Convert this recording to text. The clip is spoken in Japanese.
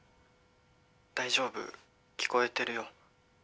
☎大丈夫聞こえてるよ